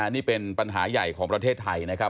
นี่เป็นปัญหาใหญ่ของประเทศไทยนะครับ